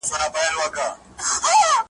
په دامنځ کي ورنیژدې یو سوداګر سو ,